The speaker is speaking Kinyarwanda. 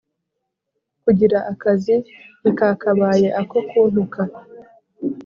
kugira akazi ntikakabaye ako kuntuka